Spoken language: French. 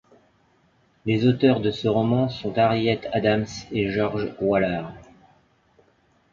Les auteurs de ce roman sont Harriet Adams et George Waller.